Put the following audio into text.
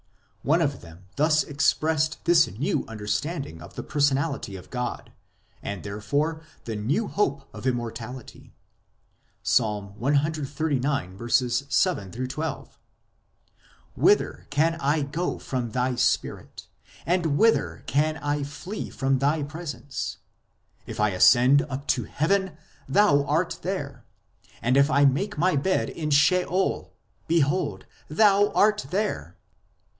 One of them thus expressed this new understanding of the personality of God, and therefore the new hope of Immor tality (Ps. cxxxix. 7 12) : Whither can I go from Thy Spirit ? And whither can I flee from Thy presence ? If I ascend up into heaven, Thou art there, And if I make my bed in Sheol, behold Thou art there